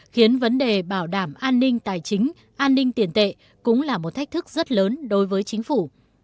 khiến vấn đề bảo đảm an ninh tài chính an ninh tiền tệ cũng là một thách thức rất lớn đối với chính phủ